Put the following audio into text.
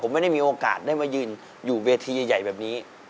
ผมไม่ได้มีโอกาสได้มายืนอยู่เวทีใหญ่แบบนี้